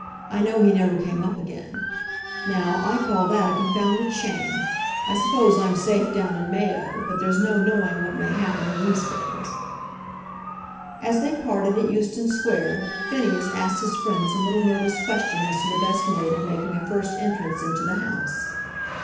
I know he never came up again. Now, I call that a confounded shame. I suppose I'm safe down in Mayo, but there's no knowing what may happen in these days." As they parted at Euston Square, Phineas asked his friend some little nervous question as to the best mode of making a first entrance into the House.